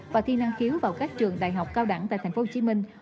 và thi năng khiếu vào các trường đại học cao đẳng tại tp hcm